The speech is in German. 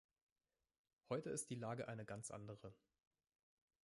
Heute ist die Lage eine ganz andere.